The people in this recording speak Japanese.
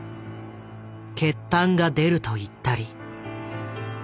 「血痰が出ると言ったり」。